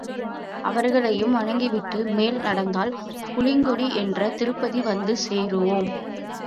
அவர்களையும் வணங்கிவிட்டு மேல் நடந்தால் புளிங்குடி என்ற திருப்பதி வந்து சேருவோம்.